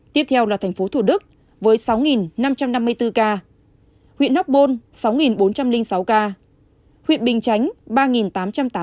tiếp theo là thành phố thủ đức với sáu năm trăm năm mươi bốn ca huyện hóc bôn sáu bốn trăm linh sáu ca huyện bình chánh ba tám trăm tám mươi ca